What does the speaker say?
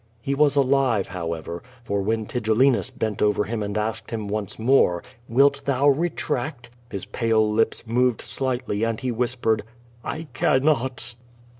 He was alive, however, for when Tigellinus bent over him and asked him once more: "Wilt thou retract?" his pale lips moved slightly and he whispered: "I cannot."